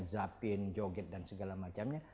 zapin joget dan segala macamnya